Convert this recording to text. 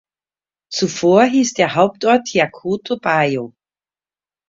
Zuvor hieß der Hauptort Yacoto Bajo.